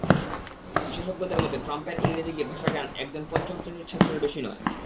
বিশেষজ্ঞদের মতে, ট্রাম্পের ইংরেজি ভাষাজ্ঞান একজন পঞ্চম শ্রেণির ছাত্রের বেশি নয়।